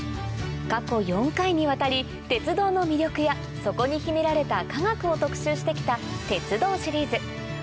過去４回にわたり鉄道の魅力やそこに秘められた科学を特集してきた鉄道シリーズ